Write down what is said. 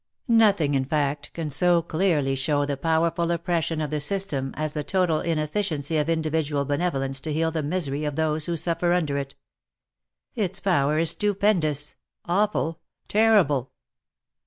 Nothing, in fact, can so clearly show the powerful oppression of the system as the total inefficiency of individual benevolence to heal the misery of those who suffer under it. Its power is stupendous, awful, terrible